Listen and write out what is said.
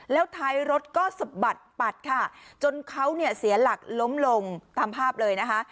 แล้วท้ายรถก็สะบัดปัดค่ะจนเขาเนี่ยเสียหลักล้มลงตามภาพเลยนะคะ